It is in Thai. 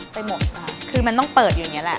ไปหมดค่ะคือมันต้องเปิดอยู่อย่างนี้แหละ